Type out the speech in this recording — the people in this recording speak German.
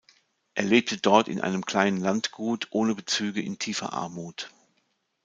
Er lebte dort in einem kleinen Landgut ohne Bezüge in tiefer Armut.